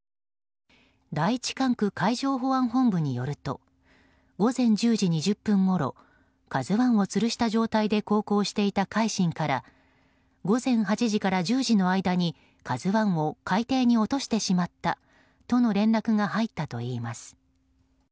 第１管区海上保安部によると午前１０時２０分ごろ「ＫＡＺＵ１」をつるした状態で航行していた「海進」から午前８時から１０時の間に「ＫＡＺＵ１」を海底に落としてしまったとの連絡が入ったといいます。